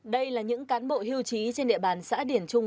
đây là những cán bộ hưu trí trên địa bàn xã điển trung